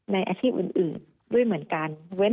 ในอาทิตย์อื่นด้วยเหมือนกัน